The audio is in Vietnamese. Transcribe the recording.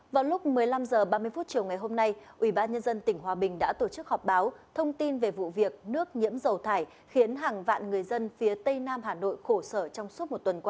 vào lúc một mươi năm h ba mươi phút chiều ngày hôm nay ubnd tỉnh hòa bình đã tổ chức họp báo thông tin về vụ việc nước nhiễm dầu thải khiến hàng vạn người dân phía tây nam hà nội khổ sợ